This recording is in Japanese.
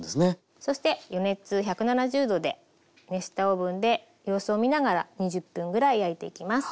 そして予熱１７０℃で熱したオーブンで様子を見ながら２０分ぐらい焼いていきます。